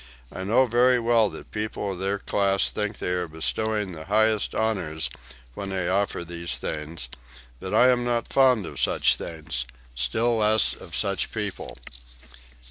I know very well that people of their class think they are bestowing the highest honors when they offer these things, but I am not fond of such things, still less of such people."